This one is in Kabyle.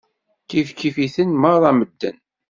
Kifkif-iten meṛṛa medden.